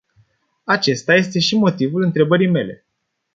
Acesta este și motivul întrebării mele.